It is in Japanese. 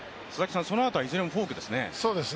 そのあとはいずれもフォークですね。